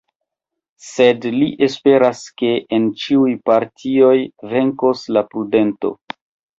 Sed li esperas ke en ĉiuj partioj venkos la prudento.